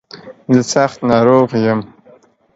زه سخت ناروغ يم.